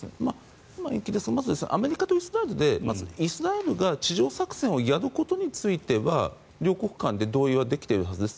まずアメリカとイスラエルでイスラエルが地上作戦をやることについては両国間で同意はできているはずです。